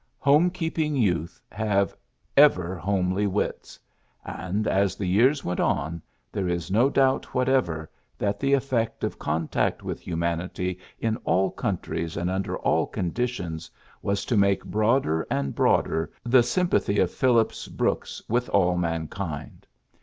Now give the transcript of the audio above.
^'Home keeping youth have ever homely wits" , and, as the years went on, there is no doubt whatever that the effect of con tact with humanity in all countries and under all conditions was to make broader and broader the sympathy of Phillips Brooks with all mankind.